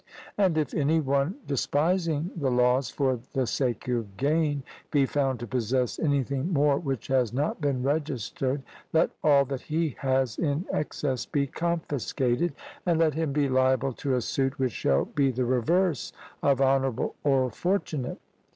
And if any one, despising the laws for the sake of gain, be found to possess anything more which has not been registered, let all that he has in excess be confiscated, and let him be liable to a suit which shall be the reverse of honourable or fortunate.